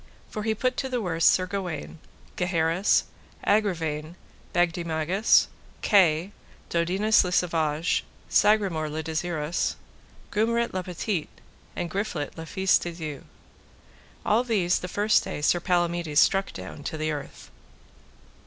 For he put to the worse Sir Gawaine, Gaheris, Agravaine, Bagdemagus, Kay, Dodinas le Savage, Sagramore le Desirous, Gumret le Petit, and Griflet le Fise de Dieu. All these the first day Sir Palamides struck down to the earth.